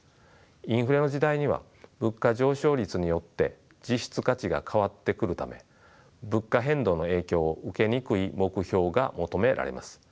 インフレの時代には物価上昇率によって実質価値が変わってくるため物価変動の影響を受けにくい目標が求められます。